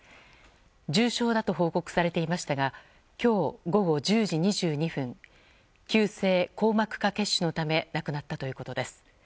重傷だと報告されていましたが今日午後１０時２２分急性硬膜下血腫のため亡くなったということです。